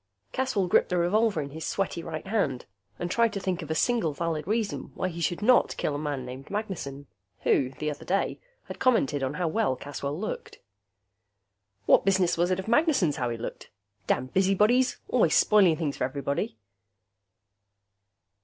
Caswell gripped the revolver in his sweaty right hand and tried to think of a single valid reason why he should not kill a man named Magnessen, who, the other day, had commented on how well Caswell looked. What business was it of Magnessen's how he looked? Damned busybodies, always spoiling things for everybody....